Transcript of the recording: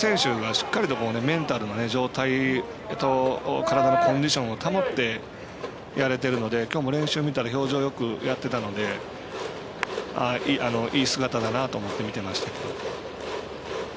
しっかりとメンタルの状態と体のコンディションを保ってやれているのできょうも練習を見たら表情よくやっていたのでいい姿だなと思って見てましたけど。